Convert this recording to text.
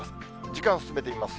時間進めてみます。